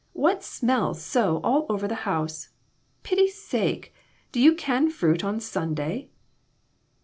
What smells so all over the house? Pity's sake! Do you can fruit on Sunday?